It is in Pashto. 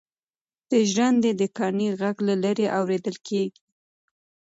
د ژرندې د کاڼي غږ له لیرې اورېدل کېږي.